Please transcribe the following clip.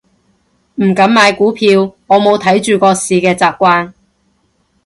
唔敢買股票，我冇睇住個市嘅習慣